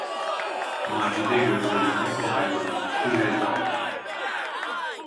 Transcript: Macide gözlerini o hayvana dikti ve daldı.